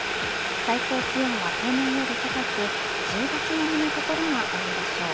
最高気温は平年より高く１０月並みの所が多いでしょう。